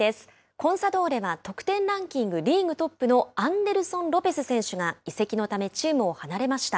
コンサドーレは得点ランキングリーグトップのアンデルソン・ロペス選手が移籍のためチームを離れました。